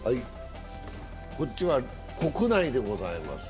こちらは国内でございます。